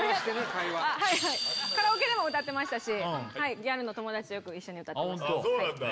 会話はいはいカラオケでも歌ってましたしギャルの友達とよく一緒に歌ってましたそうなんだ